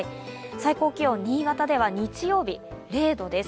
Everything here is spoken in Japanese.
最高気温、新潟では日曜日、０度です。